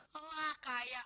belum pulang ya